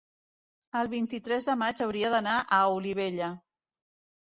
el vint-i-tres de maig hauria d'anar a Olivella.